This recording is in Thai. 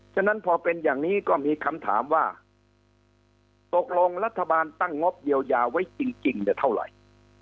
ฉะนั้นพอเป็นอย่างนี้ก็มีคำถามว่าตกลงรัฐบาลตั้งงบเยียวยาไว้จริงเนี่ยเท่าไหร่